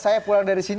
saya pulang dari sini